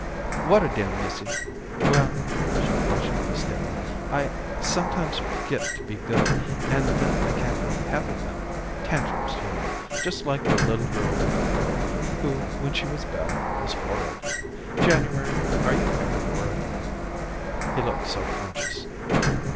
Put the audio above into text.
"What am dem, missy?" "Well," she blushingly stammered, "I sometimes forget to be good, and then I can't help having them tantrums, you know. Just like the little girl with the curl who, when she was bad, was horrid. January, are you ever horrid?" He looked self conscious.